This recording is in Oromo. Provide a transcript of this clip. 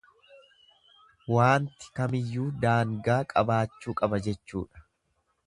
Waanti kamiyyuu daangaa qabaachuu qaba jechuudha.